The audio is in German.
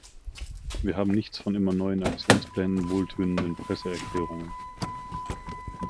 Wir haben nichts von immer neuen Aktionsplänen, wohltönenden Presseerklärungen.